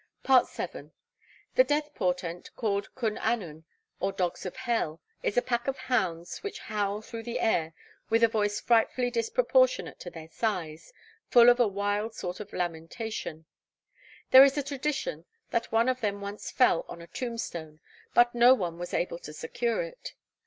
FOOTNOTE: 'Account of the Parish of Aberystruth,' 17. VII. The death portent called Cwn Annwn, or Dogs of Hell, is a pack of hounds which howl through the air with a voice frightfully disproportionate to their size, full of a wild sort of lamentation. There is a tradition that one of them once fell on a tombstone, but no one was able to secure it.